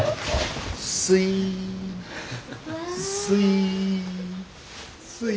すいすい。